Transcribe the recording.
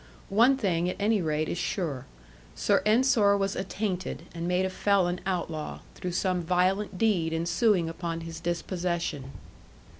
One thing, at any rate, is sure Sir Ensor was attainted, and made a felon outlaw, through some violent deed ensuing upon his dispossession.